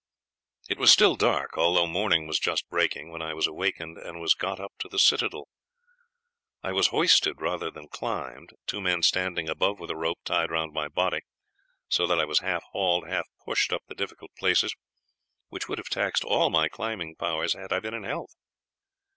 "It was still dark, although morning was just breaking, when I was awakened, and was got up to the citadel. I was hoisted rather than climbed, two men standing above with a rope, tied round my body, so that I was half hauled, half pushed up the difficult places, which would have taxed all my climbing powers had I been in health.